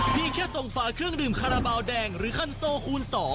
มีแค่ส่งฝาเครื่องดื่มคาราบาลแดงหรือคันโซคูณ๒